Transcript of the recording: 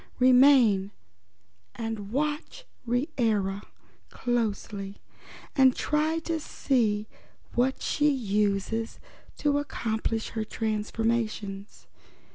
Remain and watch Reera closely and try to see what she uses to accomplish her transformations.